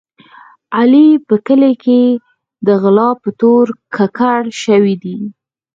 علي په کلي کې د غلا په تور ککړ شوی دی.